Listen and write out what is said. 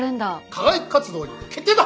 課外活動に決定だ。